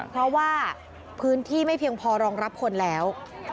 เพราะว่าพื้นที่ไม่เพียงพอรองรับคนแล้ว